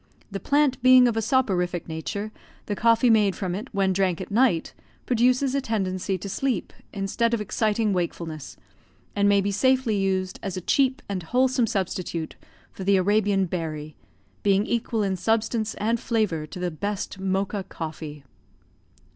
The plant being of a soporific nature, the coffee made from it when drunk at night produces a tendency to sleep, instead of exciting wakefulness, and may be safely used as a cheap and wholesome substitute for the Arabian berry, being equal in substance and flavour to the best Mocha coffee."